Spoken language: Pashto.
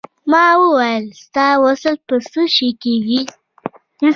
ما وویل ستا وصل په څه شی کېږي.